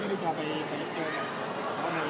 ตอนนี้ก็ต้องพักตัวเนี้ยตอนนี้ก็ต้องพักตัวเนี้ย